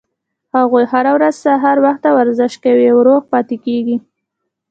هغوي هره ورځ سهار وخته ورزش کوي او روغ پاتې کیږي